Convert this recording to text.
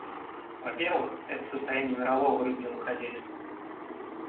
Во-первых, это состояние мирового рыбного хозяйства.